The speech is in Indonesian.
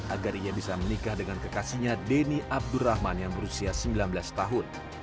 agar ia bisa menikah dengan kekasihnya denny abdurrahman yang berusia sembilan belas tahun